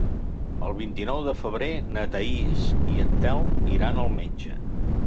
El vint-i-nou de febrer na Thaís i en Telm iran al metge.